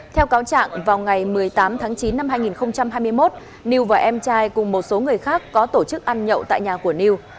theo cáo trạng vào ngày một mươi tám tháng chín năm hai nghìn hai mươi một liêu và em trai cùng một số người khác có tổ chức ăn nhậu tại nhà của new